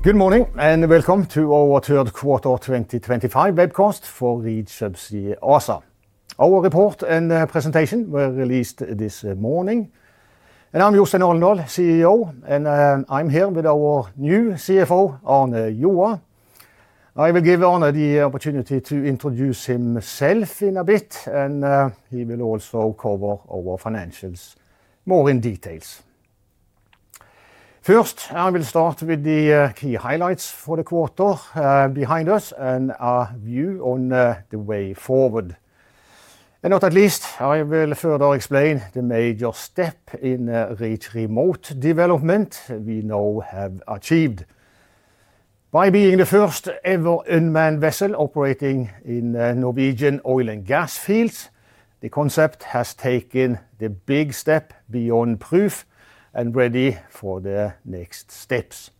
Good morning and welcome to our third quarter 2025 webcast for Reach Subsea ASA. Our report and presentation were released this morning. I am Jostein Alendal, CEO, and I am here with our new CFO, Arne Joa. I will give Arne the opportunity to introduce himself in a bit, and he will also cover our financials more in detail. First, I will start with the key highlights for the quarter behind us and a view on the way forward. Not at least, I will further explain the major step in Reach Remote development we now have achieved. By being the first ever unmanned vessel operating in Norwegian oil and gas fields, the concept has taken the big step beyond proof and is ready for the next steps.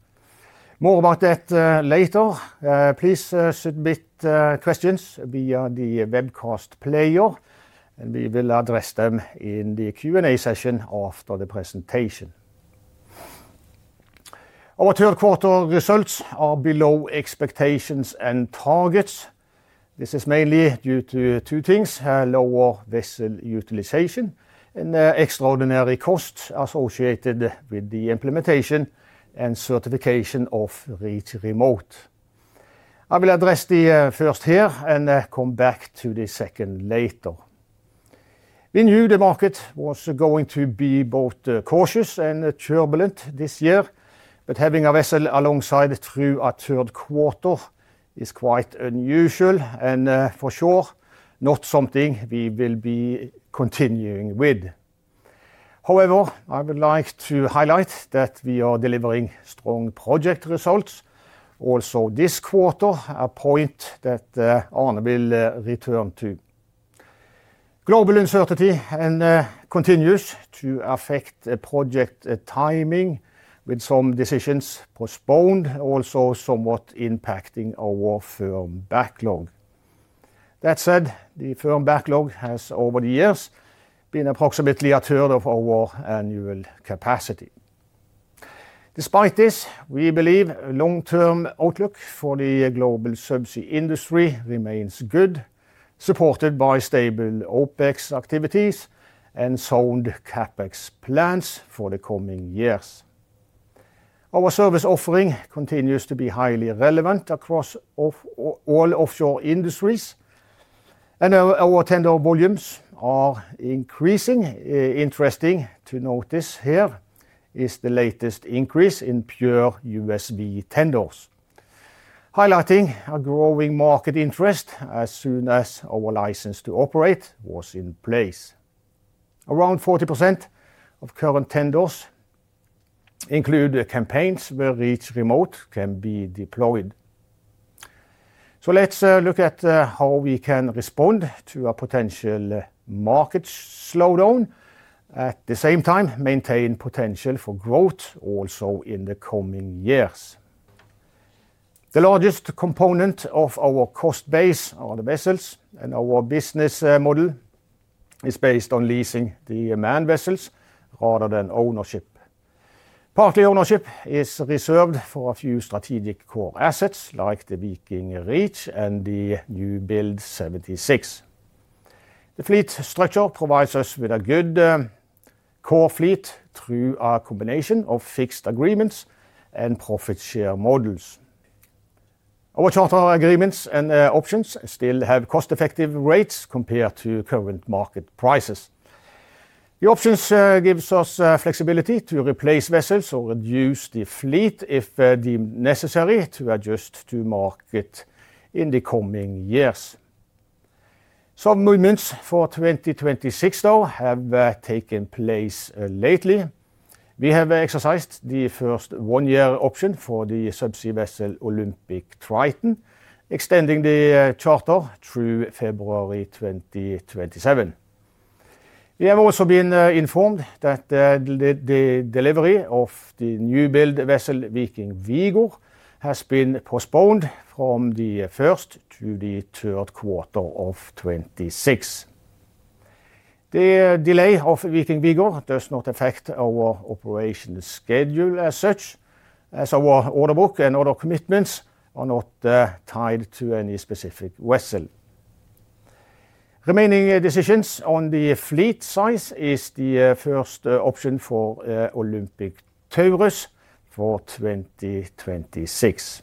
More about that later. Please submit questions via the webcast player, and we will address them in the Q&A session after the presentation. Our third quarter results are below expectations and targets. This is mainly due to two things: lower vessel utilization and extraordinary cost associated with the implementation and certification of Reach Remote. I will address the first here and come back to the second later. We knew the market was going to be both cautious and turbulent this year, but having a vessel alongside through a third quarter is quite unusual and for sure not something we will be continuing with. However, I would like to highlight that we are delivering strong project results also this quarter, a point that Arne will return to. Global uncertainty continues to affect project timing, with some decisions postponed, also somewhat impacting our firm backlog. That said, the firm backlog has over the years been approximately a third of our annual capacity. Despite this, we believe a long-term outlook for the global subsea industry remains good, supported by stable OpEx activities and sound CapEx plans for the coming years. Our service offering continues to be highly relevant across all offshore industries, and our tender volumes are increasing. Interesting to notice here is the latest increase in pure USV tenders, highlighting a growing market interest as soon as our license to operate was in place. Around 40% of current tenders include campaigns where Reach Remote can be deployed. Let's look at how we can respond to a potential market slowdown, at the same time maintain potential for growth also in the coming years. The largest component of our cost base are the vessels, and our business model is based on leasing the manned vessels rather than ownership. Partly ownership is reserved for a few strategic core assets like the Viking Reach and the New Build 76. The fleet structure provides us with a good core fleet through a combination of fixed agreements and profit share models. Our charter agreements and options still have cost-effective rates compared to current market prices. The options give us flexibility to replace vessels or reduce the fleet if deemed necessary to adjust to market in the coming years. Some movements for 2026, though, have taken place lately. We have exercised the first one-year option for the subsea vessel Olympic Triton, extending the charter through February 2027. We have also been informed that the delivery of the new build vessel Viking Vigor has been postponed from the first to the third quarter of 2026. The delay of Viking Vigor does not affect our operation schedule as such, as our order book and other commitments are not tied to any specific vessel. Remaining decisions on the fleet size is the first option for Olympic Taurus for 2026.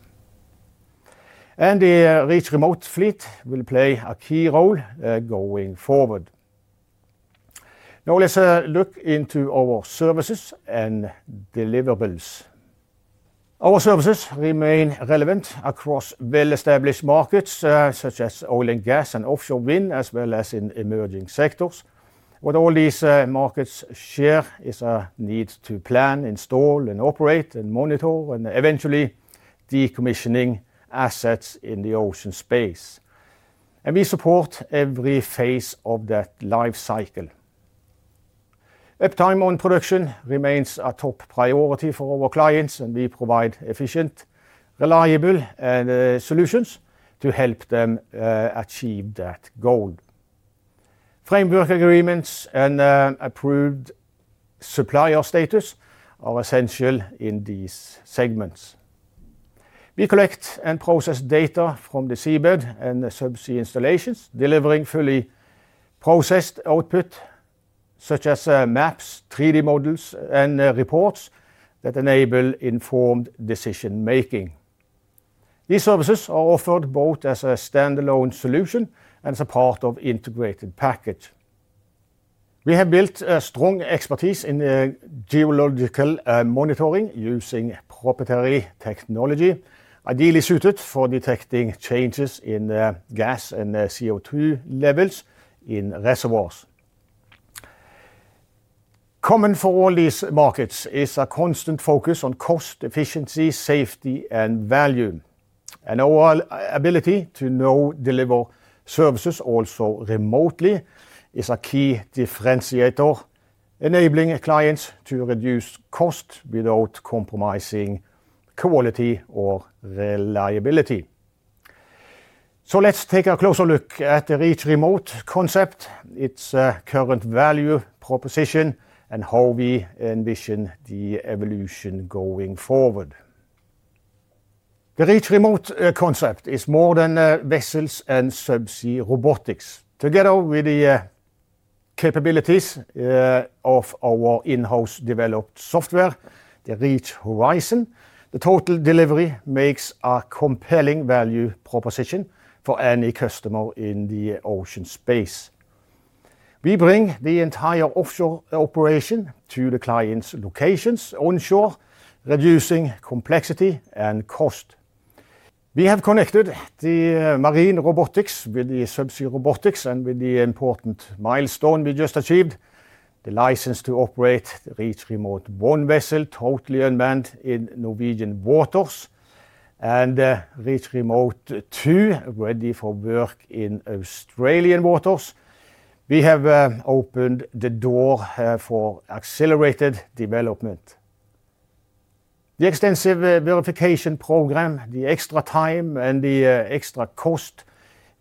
The Reach Remote fleet will play a key role going forward. Now let's look into our services and deliverables. Our services remain relevant across well-established markets such as oil and gas and offshore wind, as well as in emerging sectors. What all these markets share is a need to plan, install, operate, monitor, and eventually decommission assets in the ocean space. We support every phase of that life cycle. Uptime on production remains a top priority for our clients, and we provide efficient, reliable solutions to help them achieve that goal. Framework agreements and approved supplier status are essential in these segments. We collect and process data from the seabed and subsea installations, delivering fully processed output such as maps, 3D models, and reports that enable informed decision-making. These services are offered both as a standalone solution and as a part of an integrated package. We have built a strong expertise in geological monitoring using proprietary technology, ideally suited for detecting changes in gas and CO2 levels in reservoirs. Common for all these markets is a constant focus on cost efficiency, safety, and value. Our ability to now deliver services also remotely is a key differentiator, enabling clients to reduce cost without compromising quality or reliability. Let's take a closer look at the Reach Remote concept, its current value proposition, and how we envision the evolution going forward. The Reach Remote concept is more than vessels and subsea robotics. Together with the capabilities of our in-house developed software, the Reach Horizon, the total delivery makes a compelling value proposition for any customer in the ocean space. We bring the entire offshore operation to the client's locations onshore, reducing complexity and cost. We have connected the marine robotics with the subsea robotics and with the important milestone we just achieved: the license to operate the Reach Remote 1 vessel totally unmanned in Norwegian waters and Reach Remote 2 ready for work in Australian waters. We have opened the door for accelerated development. The extensive verification program, the extra time, and the extra cost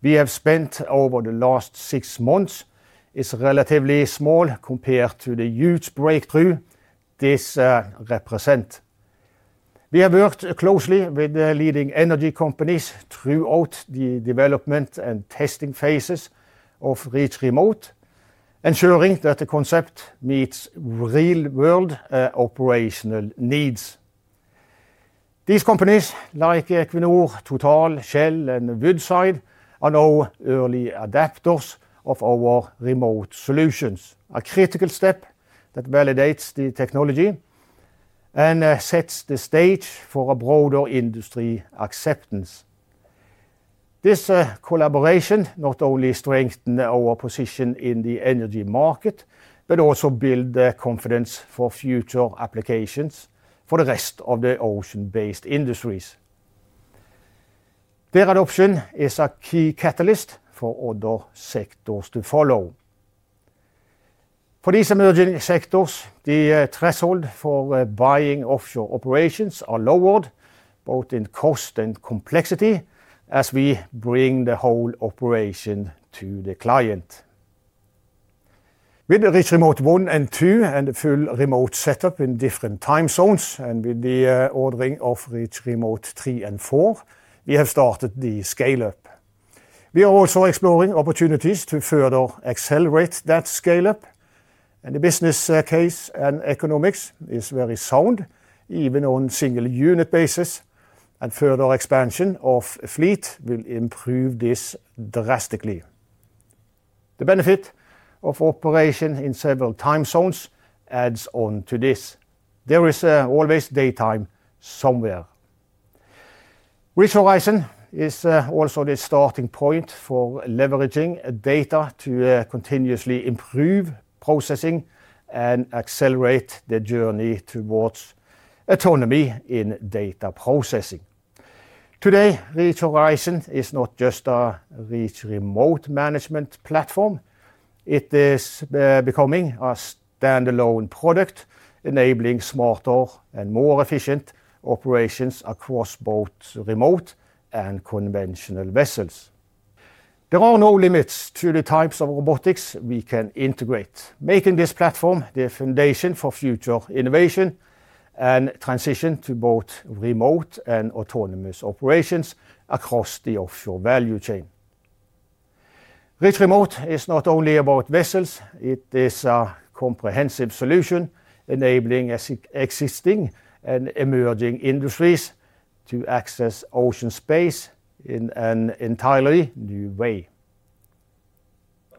we have spent over the last six months is relatively small compared to the huge breakthrough this represents. We have worked closely with the leading energy companies throughout the development and testing phases of Reach Remote, ensuring that the concept meets real-world operational needs. These companies, like Equinor, TotalEnergies, Shell, and Woodside Energy, are now early adopters of our remote solutions, a critical step that validates the technology and sets the stage for a broader industry acceptance. This collaboration not only strengthens our position in the energy market, but also builds confidence for future applications for the rest of the ocean-based industries. Their adoption is a key catalyst for other sectors to follow. For these emerging sectors, the threshold for buying offshore operations is lowered, both in cost and complexity, as we bring the whole operation to the client. With the Reach Remote 1 and 2 and the full remote setup in different time zones, and with the ordering of Reach Remote 3 and 4, we have started the scale-up. We are also exploring opportunities to further accelerate that scale-up, and the business case and economics are very sound, even on a single unit basis, and further expansion of the fleet will improve this drastically. The benefit of operation in several time zones adds on to this. There is always daytime somewhere. Reach Horizon is also the starting point for leveraging data to continuously improve processing and accelerate the journey towards autonomy in data processing. Today, Reach Horizon is not just a Reach Remote management platform. It is becoming a standalone product, enabling smarter and more efficient operations across both remote and conventional vessels. There are no limits to the types of robotics we can integrate, making this platform the foundation for future innovation and transition to both remote and autonomous operations across the offshore value chain. Reach Remote is not only about vessels. It is a comprehensive solution enabling existing and emerging industries to access ocean space in an entirely new way.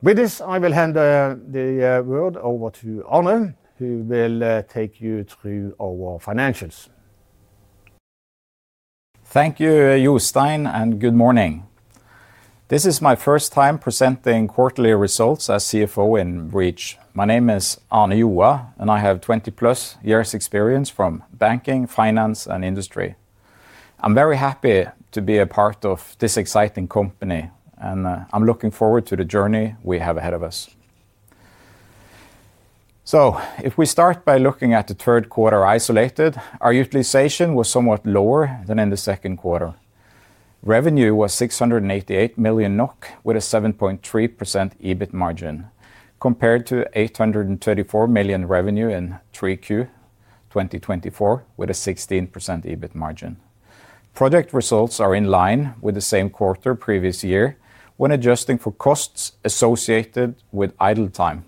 With this, I will hand the word over to Arne, who will take you through our financials. Thank you, Jostein, and good morning. This is my first time presenting quarterly results as CFO in Reach. My name is Arne Joa, and I have 20+ years' experience from banking, finance, and industry. I'm very happy to be a part of this exciting company, and I'm looking forward to the journey we have ahead of us. If we start by looking at the third quarter isolated, our utilization was somewhat lower than in the second quarter. Revenue was 688 million NOK with a 7.3% EBIT margin, compared to 834 million revenue in Q3 2024 with a 16% EBIT margin. Project results are in line with the same quarter previous year when adjusting for costs associated with idle time.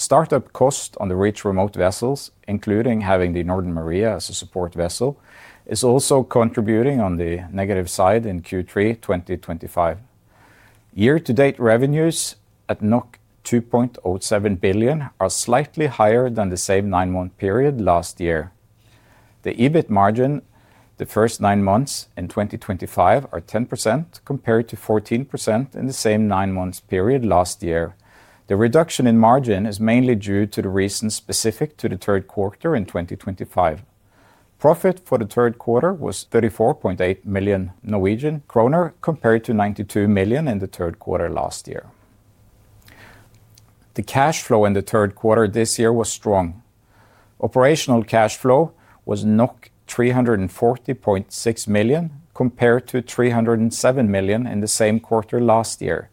Startup cost on the Reach Remote vessels, including having the Northern Maria as a support vessel, is also contributing on the negative side in Q3 2025. Year-to-date revenues at 2.07 billion are slightly higher than the same nine-month period last year. The EBIT margin the first nine months in 2025 is 10% compared to 14% in the same nine-month period last year. The reduction in margin is mainly due to the reasons specific to the third quarter in 2025. Profit for the third quarter was 34.8 million Norwegian kroner compared to 92 million in the third quarter last year. The cash flow in the third quarter this year was strong. Operational cash flow was 340.6 million compared to 307 million in the same quarter last year.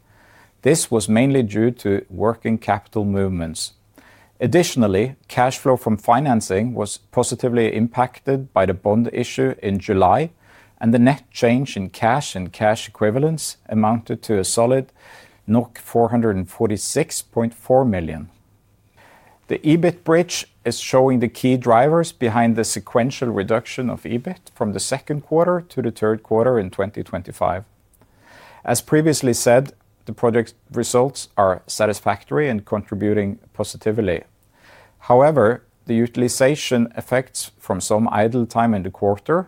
This was mainly due to working capital movements. Additionally, cash flow from financing was positively impacted by the bond issue in July, and the net change in cash and cash equivalents amounted to a solid 446.4 million. The EBIT bridge is showing the key drivers behind the sequential reduction of EBIT from the second quarter to the third quarter in 2025. As previously said, the project results are satisfactory and contributing positively. However, the utilization effects from some idle time in the quarter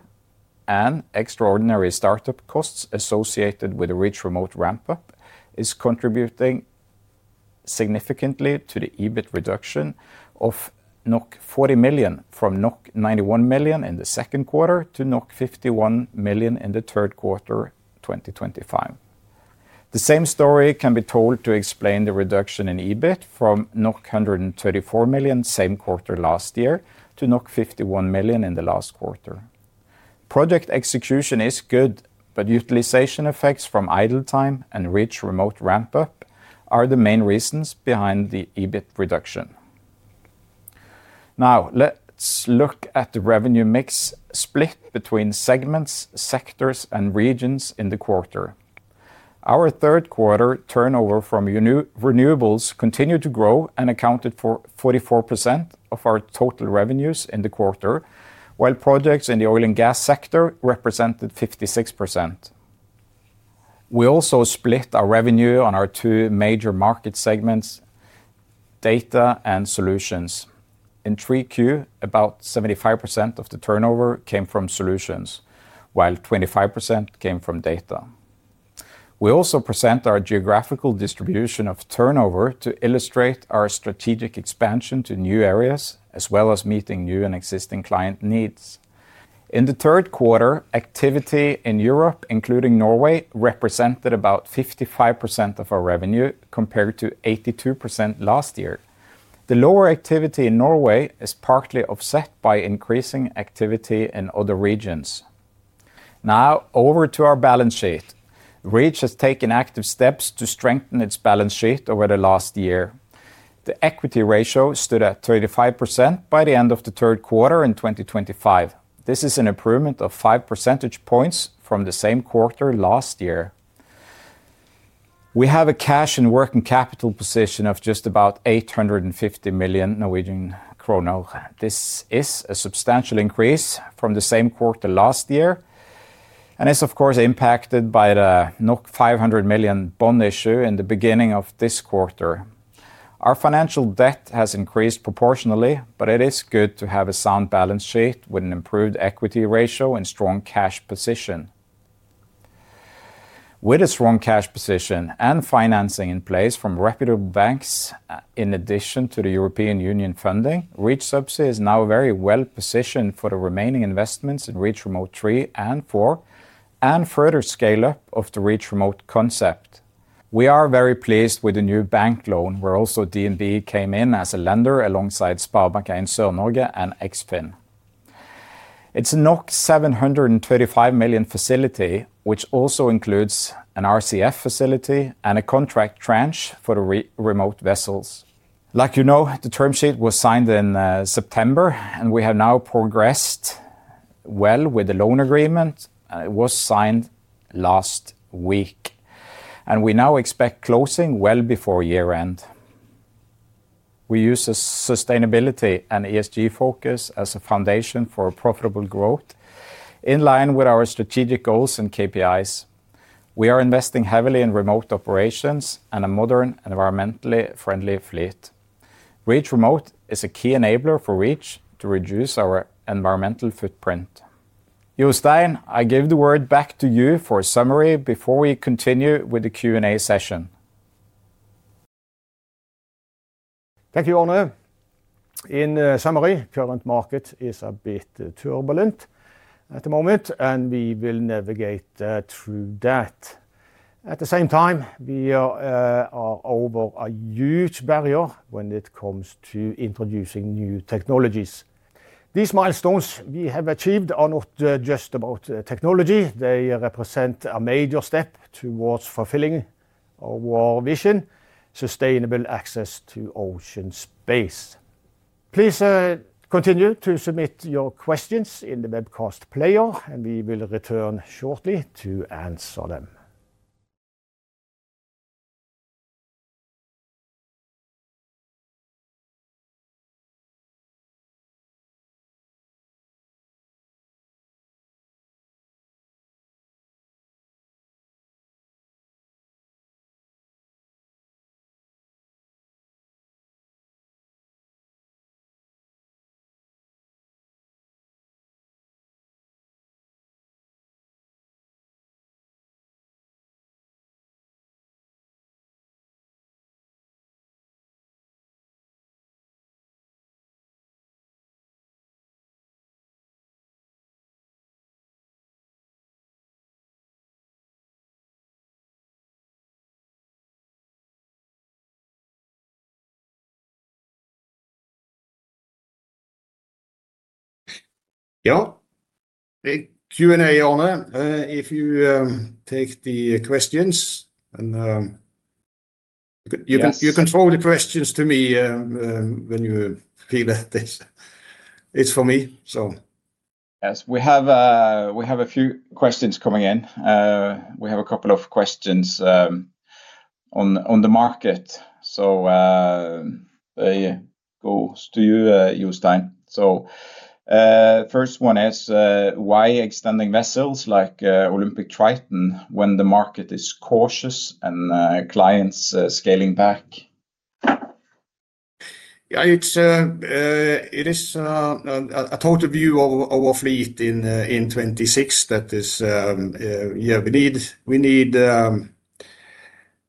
and extraordinary startup costs associated with the Reach Remote ramp-up are contributing significantly to the EBIT reduction of 40 million from 91 million in the second quarter to 51 million in the third quarter 2025. The same story can be told to explain the reduction in EBIT from 134 million same quarter last year to 51 million in the last quarter. Project execution is good, but utilization effects from idle time and Reach Remote ramp-up are the main reasons behind the EBIT reduction. Now let's look at the revenue mix split between segments, sectors, and regions in the quarter. Our third quarter turnover from renewables continued to grow and accounted for 44% of our total revenues in the quarter, while projects in the oil and gas sector represented 56%. We also split our revenue on our two major market segments, data and solutions. In Q3, about 75% of the turnover came from solutions, while 25% came from data. We also present our geographical distribution of turnover to illustrate our strategic expansion to new areas, as well as meeting new and existing client needs. In the third quarter, activity in Europe, including Norway, represented about 55% of our revenue compared to 82% last year. The lower activity in Norway is partly offset by increasing activity in other regions. Now over to our balance sheet. Reach has taken active steps to strengthen its balance sheet over the last year. The equity ratio stood at 35% by the end of the third quarter in 2025. This is an improvement of five percentage points from the same quarter last year. We have a cash and working capital position of just about 850 million Norwegian kroner. This is a substantial increase from the same quarter last year and is, of course, impacted by the 500 million bond issue in the beginning of this quarter. Our financial debt has increased proportionally, but it is good to have a sound balance sheet with an improved equity ratio and strong cash position. With a strong cash position and financing in place from reputable banks, in addition to the European Union funding, Reach Subsea is now very well positioned for the remaining investments in Reach Remote 3 and 4 and further scale-up of the Reach Remote concept. We are very pleased with the new bank loan where also DNB came in as a lender alongside SpareBank 1 Sør-Norge and Eksfin. It is a 735 million facility, which also includes an RCF facility and a contract tranche for the remote vessels. Like you know, the term sheet was signed in September, and we have now progressed well with the loan agreement, and it was signed last week. We now expect closing well before year-end. We use a sustainability and ESG focus as a foundation for profitable growth, in line with our strategic goals and KPIs. We are investing heavily in remote operations and a modern, environmentally friendly fleet. Reach Remote is a key enabler for Reach to reduce our environmental footprint. Jostein, I give the word back to you for a summary before we continue with the Q&A session. Thank you, Arne. In summary, current market is a bit turbulent at the moment, and we will navigate through that. At the same time, we are over a huge barrier when it comes to introducing new technologies. These milestones we have achieved are not just about technology. They represent a major step towards fulfilling our vision: sustainable access to ocean space. Please continue to submit your questions in the webcast player, and we will return shortly to answer them. Yeah, Q&A, Arne. If you take the questions, and you can throw the questions to me when you feel that it's for me, so. Yes, we have a few questions coming in. We have a couple of questions on the market. They go to you, Jostein. First one is, why extending vessels like Olympic Triton when the market is cautious and clients scaling back? Yeah, it is a total view of our fleet in 2026. That is, yeah, we need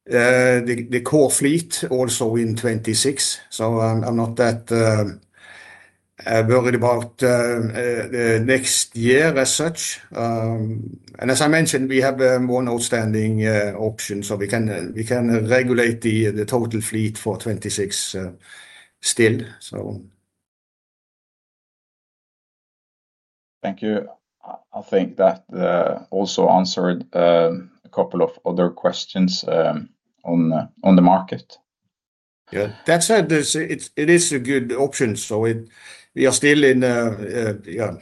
the core fleet also in 2026. I am not that worried about the next year as such. As I mentioned, we have one outstanding option, so we can regulate the total fleet for 2026 still. Thank you. I think that also answered a couple of other questions on the market. That said, it is a good option. We are still in, yeah,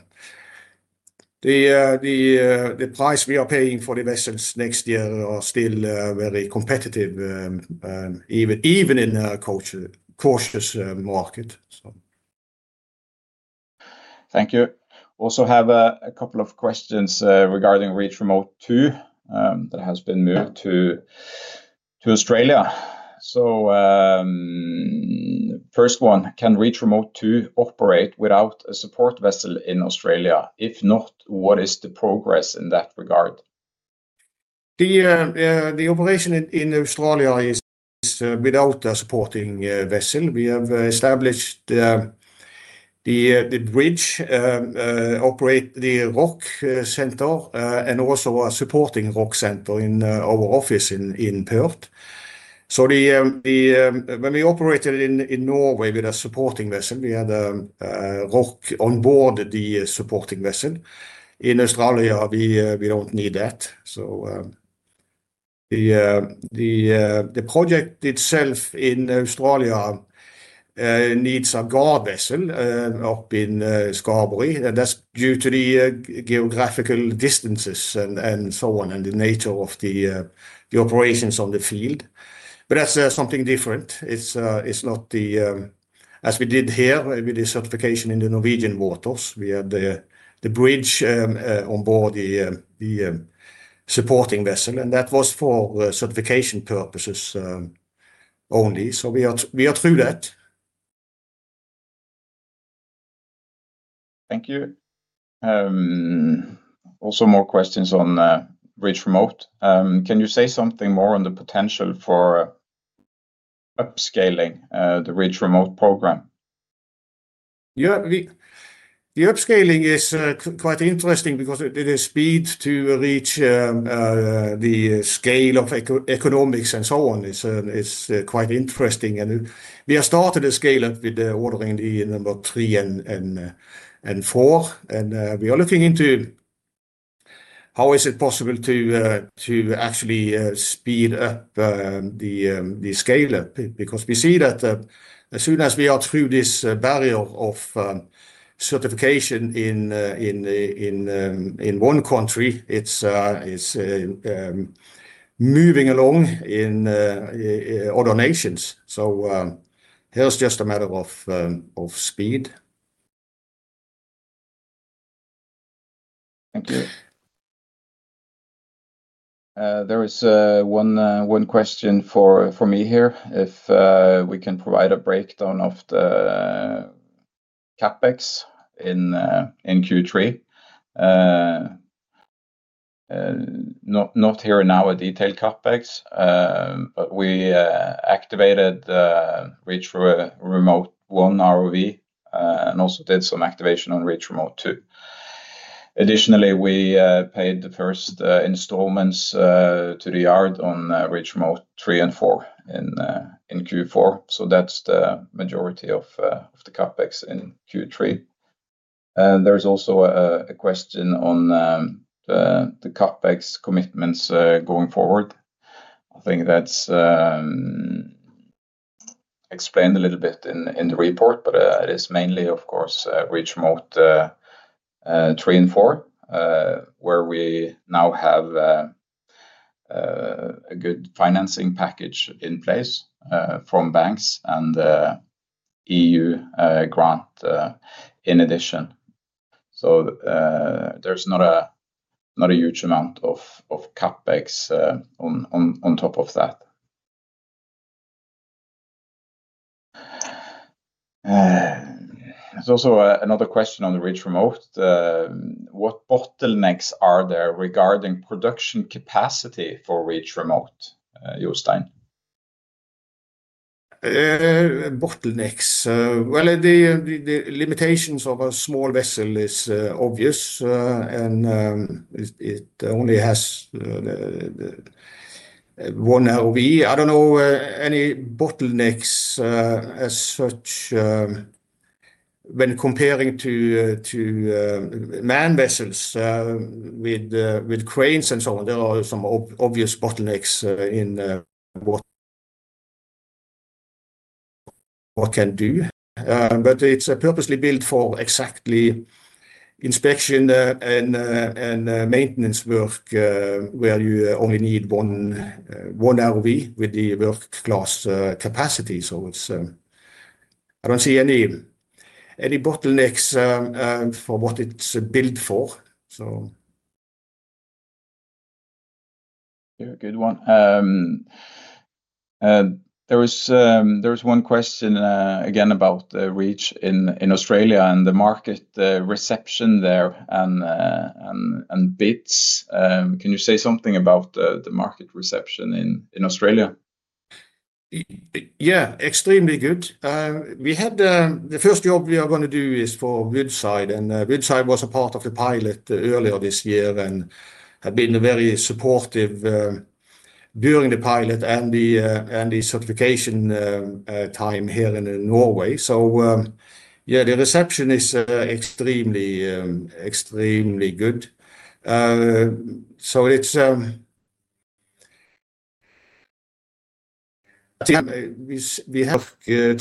the price we are paying for the vessels next year are still very competitive, even in a cautious market. Thank you. Also have a couple of questions regarding Reach Remote 2 that has been moved to Australia. First one, can Reach Remote 2 operate without a support vessel in Australia? If not, what is the progress in that regard? The operation in Australia is without a supporting vessel. We have established the bridge, operate the ROC center, and also a supporting ROC center in our office in Perth. When we operated in Norway with a supporting vessel, we had a ROC on board the supporting vessel. In Australia, we do not need that. The project itself in Australia needs a guard vessel up in Scarborough. That is due to the geographical distances and the nature of the operations on the field. That is something different. It is not as we did here with the certification in the Norwegian waters. We had the bridge on board the supporting vessel, and that was for certification purposes only. We are through that. Thank you. Also, more questions on Reach Remote. Can you say something more on the potential for upscaling the Reach Remote program? Yeah, the upscaling is quite interesting because it is speed to reach the scale of economics and so on. It is quite interesting. We have started a scale-up with ordering the number three and four. We are looking into how is it possible to actually speed up the scale-up because we see that as soon as we are through this barrier of certification in one country, it is moving along in other nations. Here it is just a matter of speed. Thank you. There is one question for me here. If we can provide a breakdown of the CapEx in Q3. Not here now a detailed CAPEX, but we activated Reach Remote 1, ROV, and also did some activation on Reach Remote 2. Additionally, we paid the first installments to the yard on Reach Remote 3 and 4 in Q4. That is the majority of the CapEx in Q3. There is also a question on the CapEx commitments going forward. I think that is explained a little bit in the report, but it is mainly, of course, Reach Remote 3 and 4, where we now have a good financing package in place from banks and EU grant in addition. There is not a huge amount of CapEx on top of that. There is also another question on the Reach Remote. What bottlenecks are there regarding production capacity for Reach Remote, Jostein? Bottlenecks. The limitations of a small vessel are obvious, and it only has one ROV. I don't know any bottlenecks as such when comparing to manned vessels with cranes and so on. There are some obvious bottlenecks in what it can do. But it's purposely built for exactly inspection and maintenance work where you only need one ROV with the work-class capacity. I don't see any bottlenecks for what it's built for. Yeah, good one. There was one question again about Reach in Australia and the market reception there and bids. Can you say something about the market reception in Australia? Yeah, extremely good. The first job we are going to do is for Woodside. Woodside was a part of the pilot earlier this year and had been very supportive during the pilot and the certification time here in Norway. The reception is extremely good. I think we. Work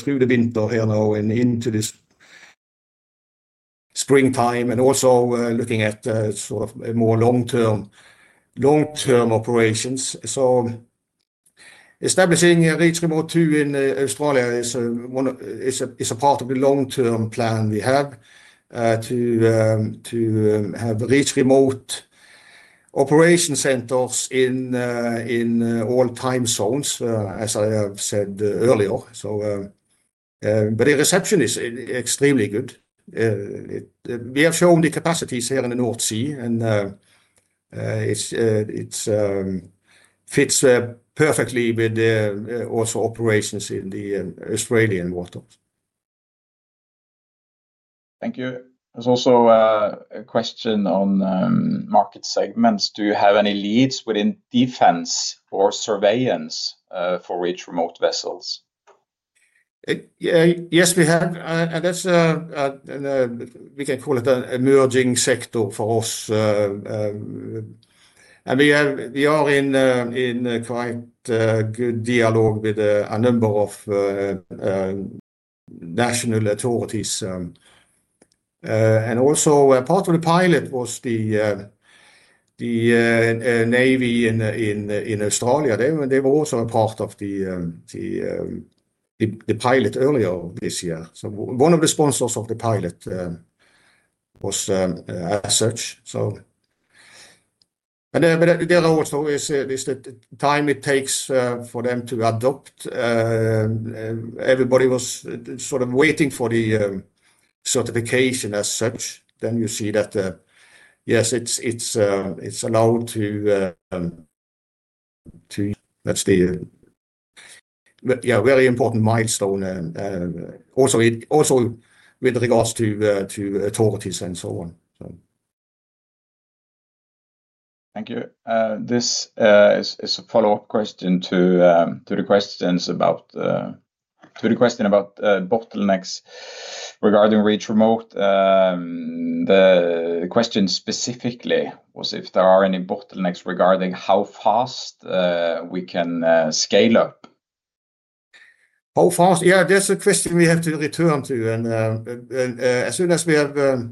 through the winter here now and into this springtime and also looking at sort of more long-term operations. Establishing Reach Remote 2 in Australia is a part of the long-term plan we have to have Reach Remote operation centers in all time zones, as I have said earlier. The reception is extremely good. We have shown the capacities here in the North Sea, and it fits perfectly with also operations in the Australian waters. Thank you. There is also a question on market segments. Do you have any leads within defense or surveillance for Reach Remote vessels? Yes, we have. We can call it an emerging sector for us. We are in quite good dialogue with a number of national authorities. Also, part of the pilot was the Navy in Australia. They were also a part of the pilot earlier this year. One of the sponsors of the pilot was as such. There are also time it takes for them to adopt. Everybody was sort of waiting for the certification as such. You see that, yes, it is allowed to. That is the very important milestone, also with regards to authorities and so on. Thank you. This is a follow-up question to the questions about bottlenecks regarding Reach Remote. The question specifically was if there are any bottlenecks regarding how fast we can scale up. How fast? Yeah, that is a question we have to return to. As soon as we have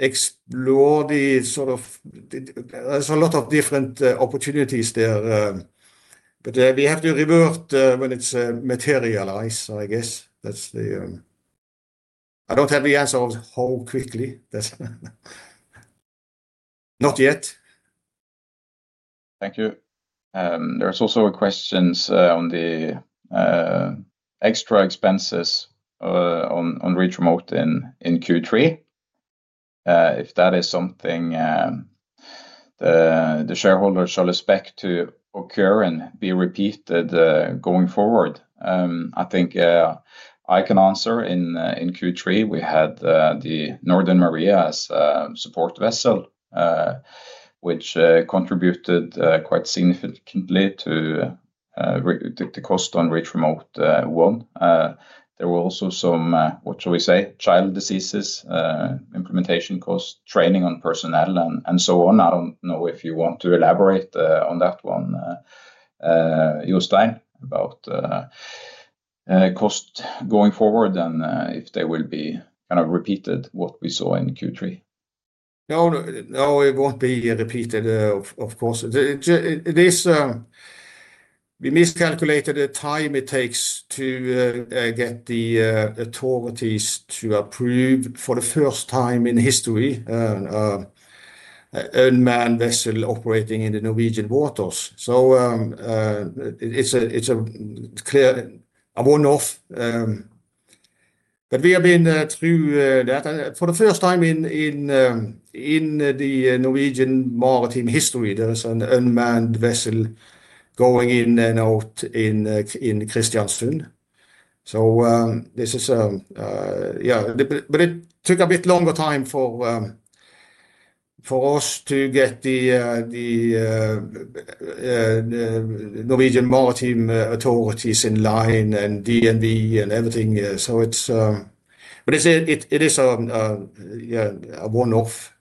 explored the sort of, there is a lot of different opportunities there. We have to revert when it is materialized, I guess. I do not have the answer of how quickly. Not yet. Thank you. There are also questions on the extra expenses on Reach Remote in Q3. If that is something the shareholders should expect to occur and be repeated going forward, I think I can answer in Q3. We had the Northern Maria as a support vessel, which contributed quite significantly to the cost on Reach Remote 1. There were also some, what shall we say, child diseases, implementation costs, training on personnel, and so on. I do not know if you want to elaborate on that one, Jostein, about cost going forward and if they will be kind of repeated, what we saw in Q3. No, it will not be repeated, of course. We miscalculated the time it takes to get the authorities to approve for the first time in history an unmanned vessel operating in the Norwegian waters. It is a clear one-off. We have been through that. For the first time in the Norwegian maritime history, there is an unmanned vessel going in and out in Kristiansund. This is, yeah, but it took a bit longer time for us to get the Norwegian maritime authorities in line and DNV and everything. It is a one-off.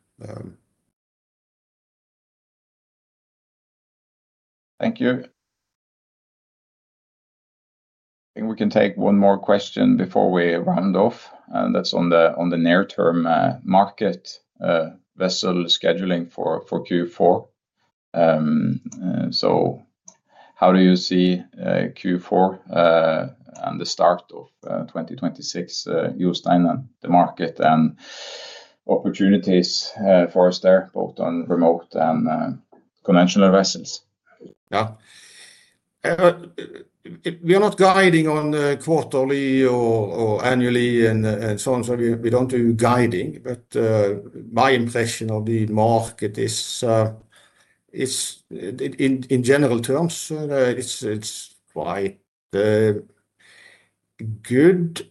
Thank you. I think we can take one more question before we round off. That is on the near-term market vessel scheduling for Q4. How do you see Q4 and the start of 2026, Jostein, and the market and opportunities for us there, both on remote and conventional vessels? Yeah. We are not guiding on quarterly or annually and so on. We do not do guiding. My impression of the market is, in general terms, it is quite good.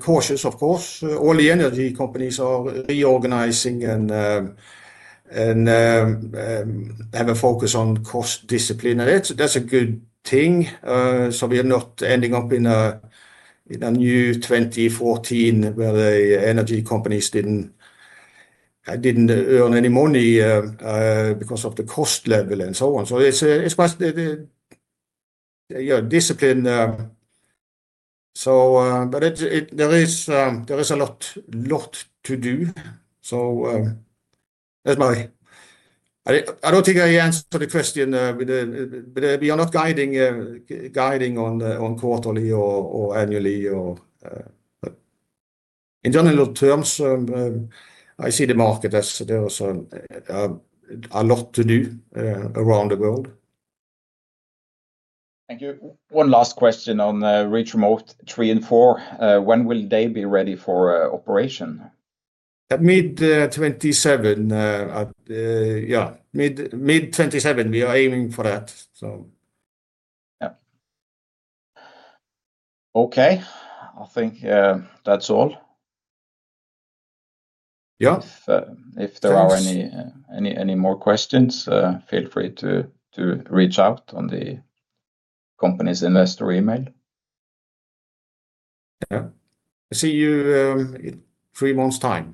Cautious, of course. All the energy companies are reorganizing and have a focus on cost discipline. That is a good thing. We are not ending up in a new 2014 where the energy companies did not earn any money because of the cost level and so on. It is quite disciplined. There is a lot to do. That is my— I do not think I answered the question. We are not guiding on quarterly or annually. In general terms, I see the market as there is a lot to do around the world. Thank you. One last question on Reach Remote 3 and 4. When will they be ready for operation? Mid-2027. Yeah, mid-2027. We are aiming for that. Yeah. Okay. I think that is all. Yeah. If there are any more questions, feel free to reach out on the company's investor email. Yeah. See you in three months' time.